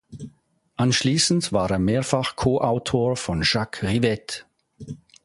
Anschließend war er mehrfach Koautor von Jacques Rivette.